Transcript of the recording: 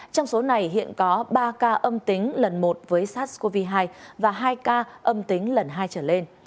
trong số này hiện có ba ca âm tính lần một với sars cov hai và hai ca âm tính lần hai trở lên